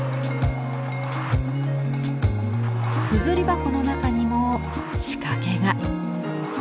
硯箱の中にも仕掛けが。